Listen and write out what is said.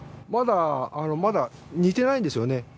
まだまだ煮てないんですよね。